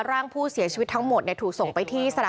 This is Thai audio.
ร่างผู้เสียชีวิตทั้งหมดถูกส่งไปที่สระ